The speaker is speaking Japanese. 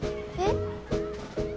えっ？